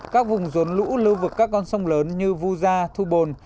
các vùng rốn lũ lưu vực các con sông lớn như vu gia thu bồn